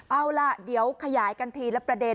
เอาล่ะเดี๋ยวขยายกันทีละประเด็น